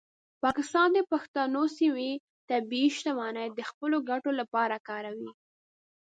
پاکستان د پښتنو سیمو طبیعي شتمنۍ د خپلو ګټو لپاره کاروي.